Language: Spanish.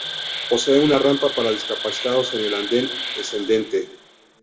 Posee una rampa para discapacitados en el anden descendente.